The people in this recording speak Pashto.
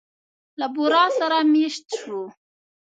له بورا سره مېشت شوو.